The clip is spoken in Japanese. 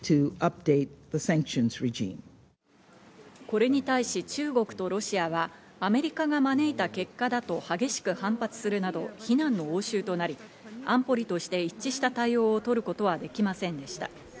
これに対し中国とロシアはアメリカが招いた結果だと激しく反発するなど非難の応酬となり、安保理として一致した対応を取ることはできませんでした。